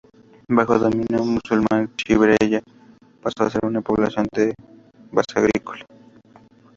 Bajo dominio musulmán, Chirivella pasó a ser una población de base agrícola.